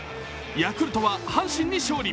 ヤクルトは阪神に勝利。